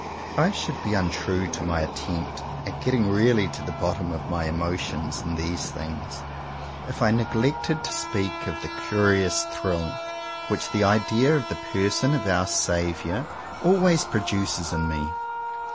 I should be untrue to my attempt at getting really to the bottom of my emotions in these things, if I neglected to speak of the 58 JOHN COWPER POWYS curious thrill which the idea of the Person of our Saviour always produces in me.